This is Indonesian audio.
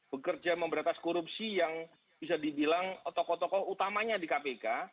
bekerja memberantas korupsi yang bisa dibilang tokoh tokoh utamanya di kpk